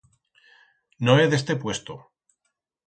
No é d'este puesto.